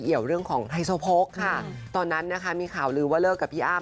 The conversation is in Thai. เรื่องของไฮโซโพกค่ะตอนนั้นนะคะมีข่าวลือว่าเลิกกับพี่อ้ำ